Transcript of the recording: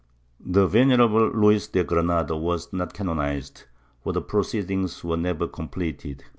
^ The Venerable Luis de Granada was not canonized, for the pro ceedings were never completed.